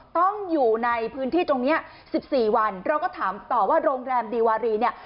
ต้องอยู่ในพื้นที่ตรงนี้๑๔วันเราก็ถามต่อว่าโรงแรมดีวารีเนี่ย